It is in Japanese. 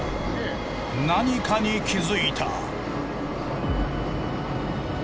何かに気づいた。